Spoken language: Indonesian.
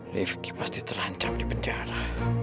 lifki pasti terancam di penjara